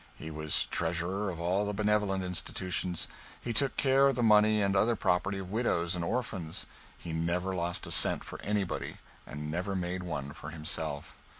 He was treasurer of all the benevolent institutions; he took care of the money and other property of widows and orphans; he never lost a cent for anybody, and never made one for himself.